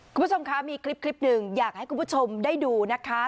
คุณผู้ชมคะมีคลิปหนึ่งอยากให้คุณผู้ชมได้ดูนะคะ